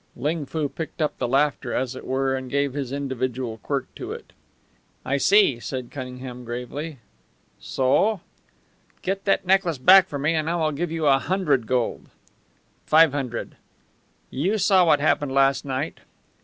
Ling Foo picked up the laughter, as it were, and gave his individual quirk to it. "I see," said Cunningham, gravely. "So?" "Get that necklace back for me and I will give you a hundred gold." "Five hundred." "You saw what happened last night."